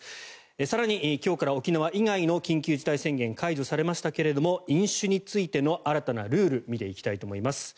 更に今日から沖縄以外の緊急事態宣言が解除されましたけど飲酒についての新たなルール見ていきたいと思います。